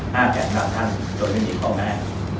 ห้าแขนหลังทันโดยไม่มีข้อแม้